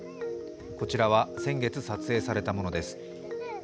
こちらは先月撮影されたものです。